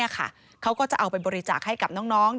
ต่อเขาก็เอาไปใช้อย่างถูกต้อง